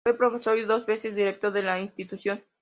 Fue profesor y dos veces director de la institución.